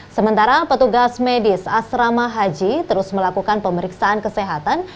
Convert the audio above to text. sementara petugas medis asrama haji terus melakukan pemeriksaan kesehatan